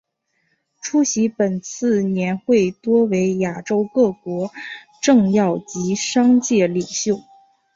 出席本次年会多为亚洲各国政要及商界领袖。